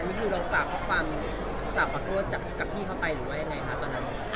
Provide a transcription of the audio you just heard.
นี่คือเราฝากขอความฝากขอโทษกับพี่เขาไปหรือว่ายังไงค่ะตอนนั้น